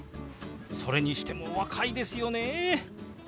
それにしてもお若いですよね。